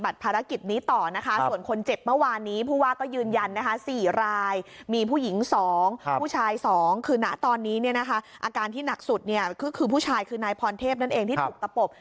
อาการที่หนักสุดคือผู้ชายคือนายพรเทพนั่นเองที่ถูกตะปบ